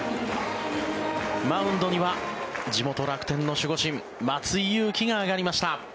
マウンドには地元・楽天の守護神松井裕樹が上がりました。